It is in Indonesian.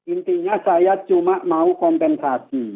intinya saya cuma mau kompensasi